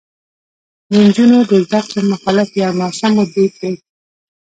د نجونو د زده کړو مخالفت یو ناسمو دود دی.